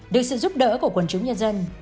được sự giúp đỡ của quần chúng nhân dân